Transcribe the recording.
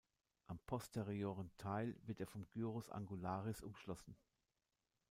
Am posterioren Teil wird er vom Gyrus angularis umschlossen.